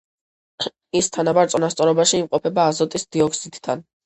ის თანაბარ წონასწორობაში იმყოფება აზოტის დიოქსიდთან.